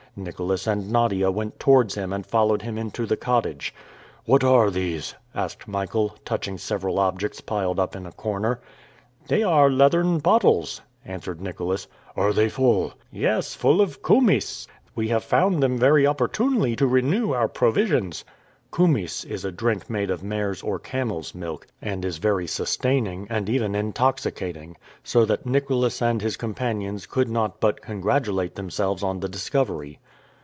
Nicholas and Nadia went towards him and followed him into the cottage. "What are these?" asked Michael, touching several objects piled up in a corner. "They are leathern bottles," answered Nicholas. "Are they full?" "Yes, full of koumyss. We have found them very opportunely to renew our provisions!" "Koumyss" is a drink made of mare's or camel's milk, and is very sustaining, and even intoxicating; so that Nicholas and his companions could not but congratulate themselves on the discovery.